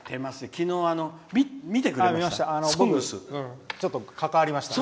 昨日、見てくれました？